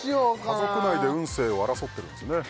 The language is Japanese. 家族内で運勢を争ってるんですね